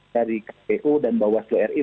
dari kpu dan bawaslu ri